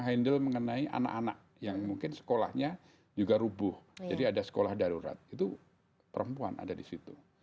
handle mengenai anak anak yang mungkin sekolahnya juga rubuh jadi ada sekolah darurat itu perempuan ada di situ